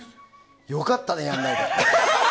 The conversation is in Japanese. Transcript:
よかったね、やらないで。